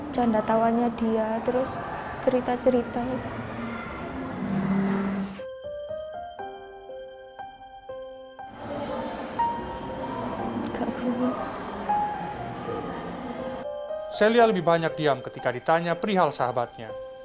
celia lebih banyak diam ketika ditanya perihal sahabatnya